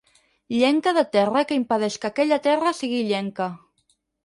Llenca de terra que impedeix que aquella terra sigui illenca.